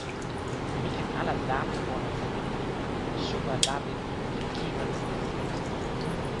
mi ken ala lape pona tan ni: supa lape mi li kiwen ike.